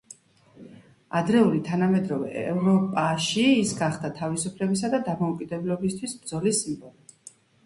ადრეული თანამედროვე ევროპაში ის გახდა თავისუფლებისა და დამოუკიდებლობისთვის ბრძოლის სიმბოლო.